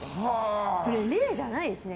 それ、霊じゃないですね。